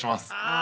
あ！